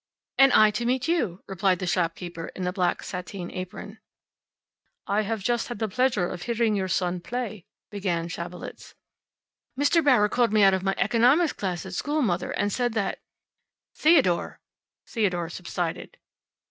"And I to meet you," replied the shopkeeper in the black sateen apron. "I have just had the pleasure of hearing your son play," began Schabelitz. "Mr. Bauer called me out of my economics class at school, Mother, and said that " "Theodore!" Theodore subsided.